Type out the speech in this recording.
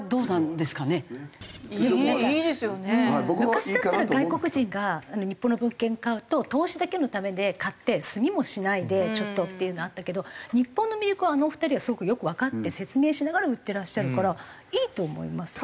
昔だったら外国人が日本の物件買うと投資だけのためで買って住みもしないでちょっとっていうのはあったけど日本の魅力をあのお二人はすごくよくわかって説明しながら売ってらっしゃるからいいと思いますよね。